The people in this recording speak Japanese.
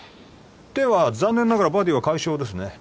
では残念ながらバディは解消ですね